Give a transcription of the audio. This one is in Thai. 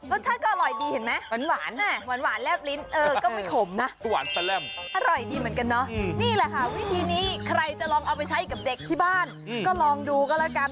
รสชาติก็หรือดีเห็นมั๊ย